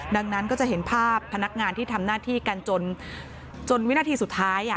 ดังนั้นก็จะเห็นภาพพนักงานที่ทำหน้าที่กันจนจนวินาทีสุดท้ายอ่ะ